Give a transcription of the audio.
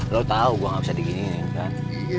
lo tau gue gak bisa diginiin kan